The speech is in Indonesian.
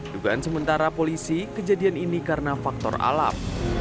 dugaan sementara polisi kejadian ini karena faktor alam